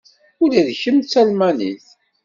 Ula d kemm d Talmanit?